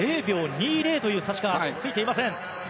０秒２０しかついていません。